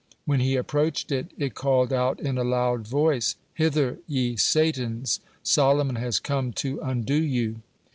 When he approached it, it called out in a loud voice: "Hither, ye satans, Solomon has come to undo you."